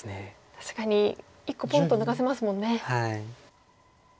確かに１個ポンと抜かせますもんね。